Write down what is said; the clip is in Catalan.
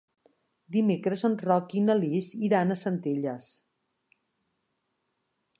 Dimecres en Roc i na Lis iran a Centelles.